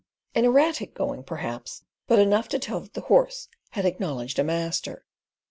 An erratic going, perhaps, but enough to tell that the horse had acknowledged a master.